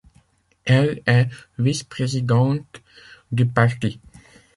Elle est vice-présidente du Parti.